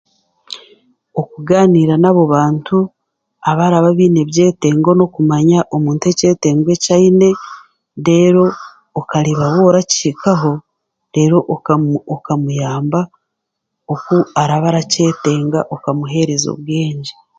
Okuganiira nab'obaantu abaraaba beine ebyetengo n'okumanya omuntu ekyetengo e'kyaine reero okareeba w'orakihikaho reero okamuyamba oku araba arakyetenga okamuhereza obwengye.